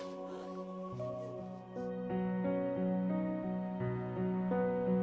dari dulu ma